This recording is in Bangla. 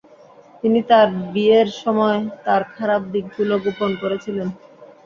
তিনি তার বিয়ের সময় তার খারাপ দিকগুলো গোপন করেছিলেন।